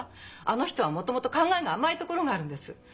あの人はもともと考えが甘いところがあるんです。